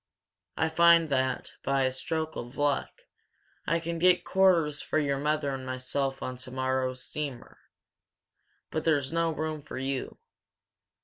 I find that, by a stroke of luck, I can get quarters for your mother and myself on tomorrow's steamer. But there's no room for you.